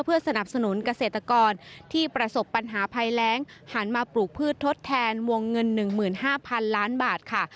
เพื่อสนับสนุนเกษตรกรที่ประสบปัญหาภัยแรงหันมาปลูกพืชทดแทนวงเงิน๑๕๐๐๐ล้านบาทค่ะ